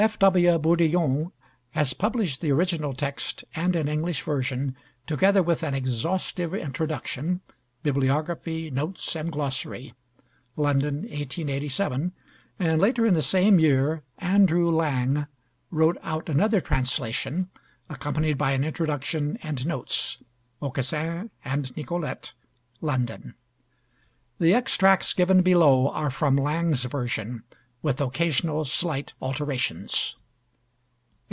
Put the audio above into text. F.W. Bourdillon has published the original text and an English version, together with an exhaustive introduction, bibliography, notes, and glossary (London, 1887), and, later in the same year, Andrew Lang wrote out another translation, accompanied by an introduction and notes: 'Aucassin and Nicolette' (London). The extracts given below are from Lang's version, with occasional slight alterations.